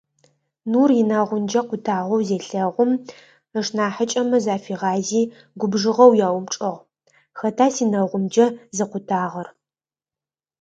Нур инэгъунджэ къутагъэу зелъэгъум, ышнахьыкӀэмэ зафигъази губжыгъэу яупчӀыгъ: «Хэта синэгъунджэ зыкъутагъэр?».